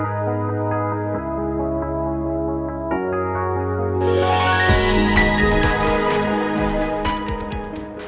ya gak mungkin lah